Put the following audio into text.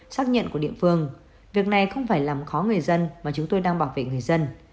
xác nhận của địa phương việc này không phải làm khó người dân mà chúng tôi đang bảo vệ người dân